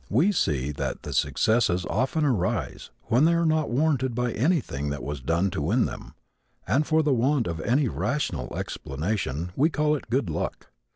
We see that the successes often arrive when they are not warranted by anything that was done to win them, and for the want of any rational explanation we call it "good luck."